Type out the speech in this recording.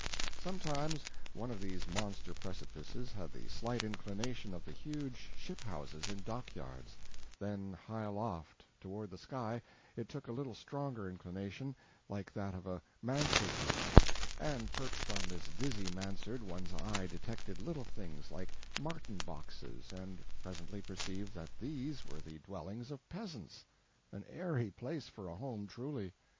Sometimes one of these monster precipices had the slight inclination of the huge ship houses in dockyards then high aloft, toward the sky, it took a little stronger inclination, like that of a mansard roof and perched on this dizzy mansard one's eye detected little things like martin boxes, and presently perceived that these were the dwellings of peasants an airy place for a home, truly.